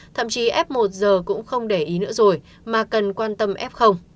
thậm chí f một giờ cũng không để ý nữa rồi mà cần quan tâm f